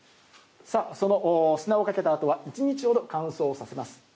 その砂をかけたあとは１日ほど乾燥させます。